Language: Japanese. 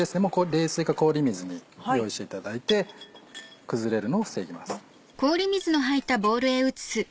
冷水か氷水用意していただいて崩れるのを防ぎます。